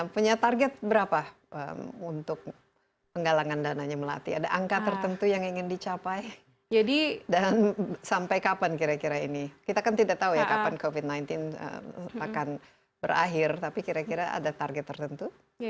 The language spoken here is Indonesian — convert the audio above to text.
punya target berapa untuk penggalangan dananya melati ada angka tertentu yang ingin dicapai dan sampai kapan kira kira ini kita kan tidak tahu ya kapan covid sembilan belas akan berakhir tapi kira kira ada target tertentu